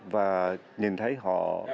và nhìn thấy họ